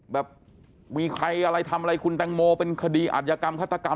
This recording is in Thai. แบบมีใครอะไรทำอะไรคุณแตงโมเป็นคดีอัธยกรรมฆาตกรรม